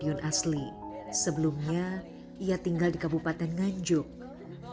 bukan bukan bapak enggak jalan enggak jalan